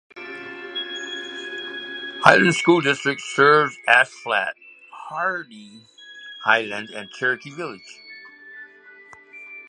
Highland School Districts serves Ash Flat, Hardy, Highland and Cherokee Village.